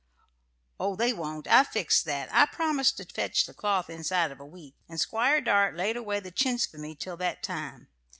"Oh, they won't. I've fixed that. I promised to fetch the cloth inside of a week, and Squire Dart laid away the chintz for me till that time.